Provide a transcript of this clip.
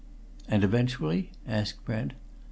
"And eventually?" asked Brent.